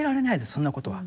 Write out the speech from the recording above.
そんなことは。